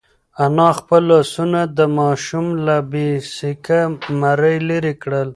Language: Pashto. انا خپل لاسونه د ماشوم له بې سېکه مرۍ لرې کړل.